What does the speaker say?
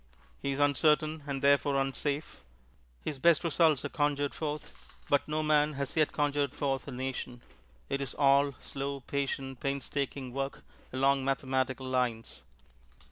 He is uncertain and therefore unsafe. His best results are conjured forth, but no man has yet conjured forth a Nation it is all slow, patient, painstaking work along mathematical lines.